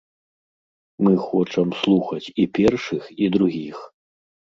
Мы хочам слухаць і першых і другіх.